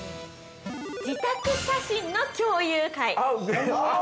◆自宅写真の共有会。